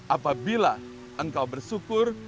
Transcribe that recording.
apabila engkau bersyukur